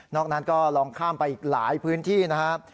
นั้นก็ลองข้ามไปอีกหลายพื้นที่นะครับ